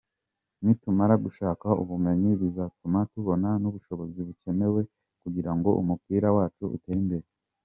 Nitumara gushaka ubumenyi bizatuma tubona n’ubushobozi bukenewe kugira ngo umupira wacu utere imbere.